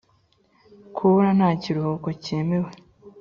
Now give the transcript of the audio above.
kubura nta kiruhuko cyemewe.